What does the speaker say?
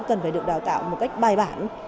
cần phải được đào tạo một cách bài bản